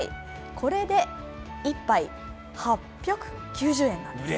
これで１杯８９０円なんです。